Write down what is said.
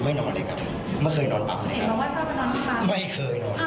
ไม่นอนเลยครับไม่เคยนอนปั๊มไม่เคยนอน